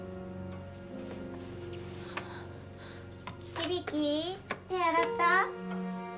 響手洗った？